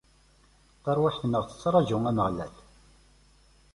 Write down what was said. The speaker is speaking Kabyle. Tarwiḥt-nneɣ tettraǧu Ameɣlal.